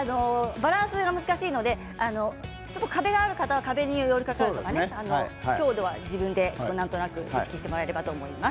バランスが難しいので壁がある方は壁に寄りかかって強度は自分でなんとなく意識してもらえればと思います。